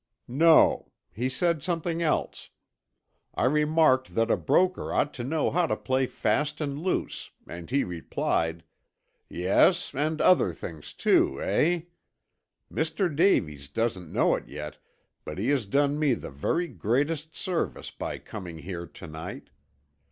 "No. He said something else. I remarked that a broker ought to know how to play fast and loose, and he replied: 'Yes, and other things, too, eh? Mr. Davies doesn't know it yet, but he has done me the very greatest service by coming here to night.